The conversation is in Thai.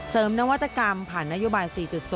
นวัตกรรมผ่านนโยบาย๔๐